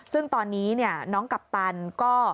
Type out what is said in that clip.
ซึ่งตอนนี้น้องกัปตันก็